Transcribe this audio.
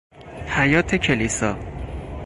حیاط کلیسا